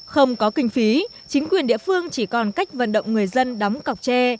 không có kinh phí chính quyền địa phương chỉ còn cách vận động người dân đóng cọc tre